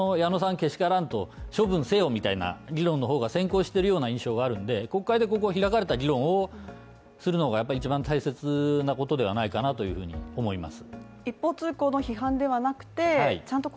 けしからんと、処分せよみたいな議論の方が先行しているような印象があるんで、国会で開かれた議論をするのがやっぱり一番大切なことではないかなと思います。